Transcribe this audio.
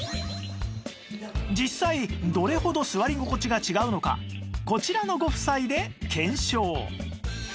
実際どれほど座り心地が違うのかこちらのご夫妻で検証